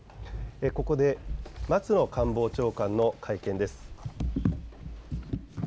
ここで松野官房長官の会見です。